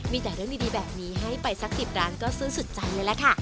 มีแต่เรื่องดีแบบนี้ให้ไปสัก๑๐ร้านก็ซื้อสุดใจเลยล่ะค่ะ